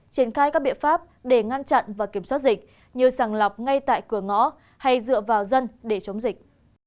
triển khai các biện pháp để ngăn chặn và kiểm soát dịch như sàng lọc ngay tại cửa ngõ hay dựa vào dân để chống dịch